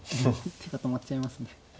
手が止まっちゃいますね。